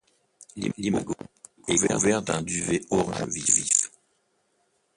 L'Imago est couvert d'un duvet orange vif.